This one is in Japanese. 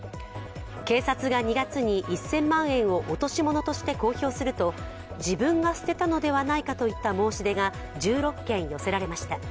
警察が２月に１０００万円を落とし物として公表すると自分が捨てたのではないかといった申し出が１６件寄せられました。